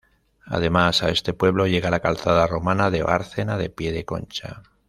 Además, a este pueblo llega la calzada romana de Bárcena de Pie de Concha.